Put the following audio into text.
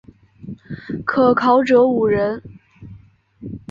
可考者五人。